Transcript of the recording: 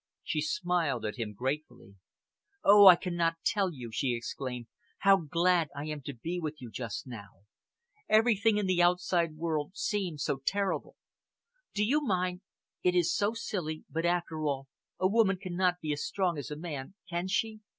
She smiled at him gratefully. "Oh, I cannot tell you," she exclaimed, "how glad I am to be with you just now! Everything in the outside world seems so terrible. Do you mind it is so silly, but after all a woman cannot be as strong as a man, can she?